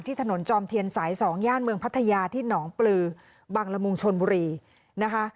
ถนนจอมเทียนสาย๒ย่านเมืองพัทยาที่หนองปลือบังละมุงชนบุรีนะคะ